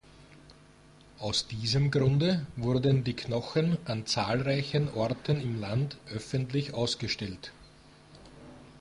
Aus diesem Grunde wurden die Knochen an zahlreichen Orten im Land öffentlich ausgestellt.